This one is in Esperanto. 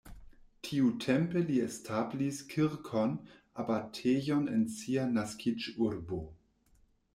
Tiutempe li establis kirkon, abatejon en sia naskiĝurbo.